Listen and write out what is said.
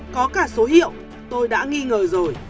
có cả số hiệu tôi đã nghi ngờ rồi